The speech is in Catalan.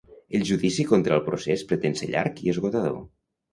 El judici contra el procés pretén ser llarg i esgotador.